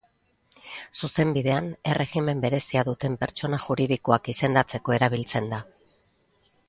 Zuzenbidean erregimen berezia duten pertsona juridikoak izendatzeko erabiltzen da.